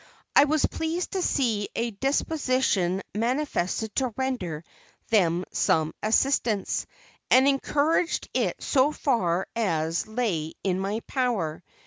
I was pleased to see a disposition manifested to render them some assistance, and encouraged it so far as lay in my power.